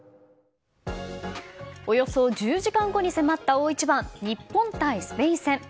およそ１０時間後に迫った大一番日本対スペイン戦。